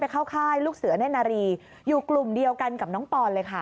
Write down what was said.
เข้าค่ายลูกเสือเน่นนารีอยู่กลุ่มเดียวกันกับน้องปอนเลยค่ะ